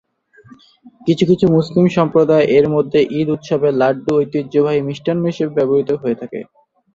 কিছু কিছু মুসলিম সম্প্রদায় এর মধ্যে ঈদ উৎসবে লাড্ডু ঐতিহ্যবাহী মিষ্টান্ন হিসাবে ব্যবহৃত হয়ে থাকে।